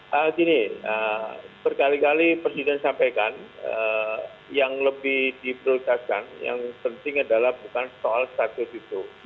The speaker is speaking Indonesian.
begini berkali kali presiden sampaikan yang lebih diprioritaskan yang penting adalah bukan soal status itu